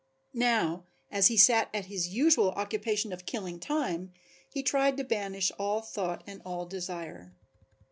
Now, as he sat at his usual occupation of killing time, he tried to banish all thought and all desire.